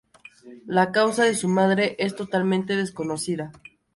La causa de su muerte es totalmente desconocida.